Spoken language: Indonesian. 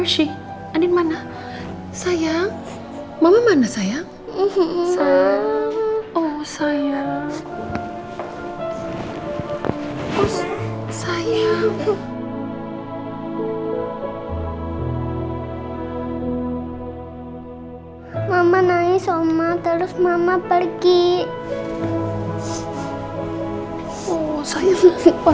jangan lupa berfirman